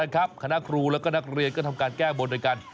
คณะครูและก็นักเรียนก็ทำการแก้บนด้วยกัน